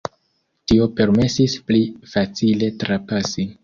Tio permesis pli facile trapasi.